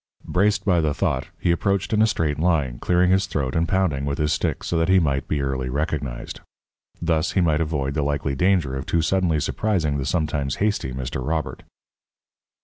Braced by the thought, he approached in a straight line, clearing his throat and pounding with his stick so that he might be early recognized. Thus he might avoid the likely danger of too suddenly surprising the sometimes hasty Mr. Robert.